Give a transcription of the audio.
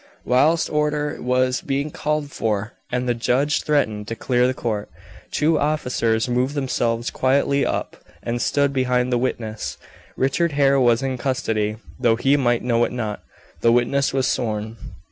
Whilst order was being called for, and the judge threatened to clear the court, two officers moved themselves quietly up and stood behind the witness. Richard Hare was in custody, though he might know it not. The witness was sworn.